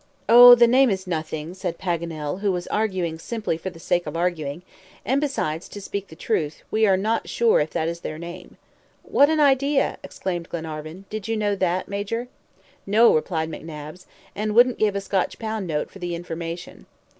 "Oh, the name is nothing," said Paganel, who was arguing simply for the sake of arguing. "And besides, to speak the truth, we are not sure if that is their name." "What an idea!" exclaimed Glenarvan. "Did you know that, Major?" "No," replied McNabbs, "and wouldn't give a Scotch pound note for the information."